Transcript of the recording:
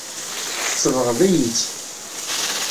Tsebɣeḍ-iyi-tt.